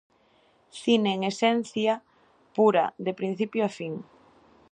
Cine en esencia pura de principio a fin.